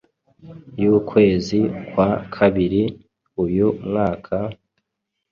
y'ukwezi kwa kabiri uyu mwaka,